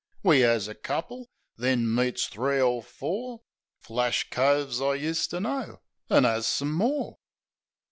We 'as a couple; then meets three er four Flash coves I useter know, an' 'as some more.